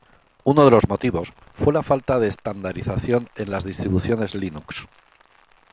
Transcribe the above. Uno de los motivos fue la falta de estandarización en las distribuciones Linux.